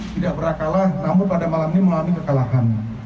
tidak pernah kalah namun pada malam ini mengalami kekalahan